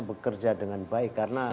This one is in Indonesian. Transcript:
bekerja dengan baik karena